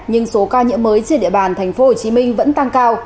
nhưng số ca nhiễm mới trên địa bàn tp hcm vẫn tăng cao